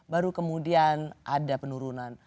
baru kemudian ada penurunan